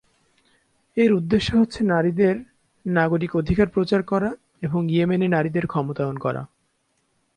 এর উদ্দেশ্য হচ্ছে নারীদের নাগরিক অধিকার প্রচার করা এবং ইয়েমেনে নারীদের ক্ষমতায়ন করা।